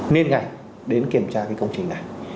nên ngày đến kiểm tra cái công trình này